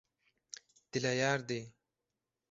dileýärdi.